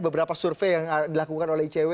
beberapa survei yang dilakukan oleh icw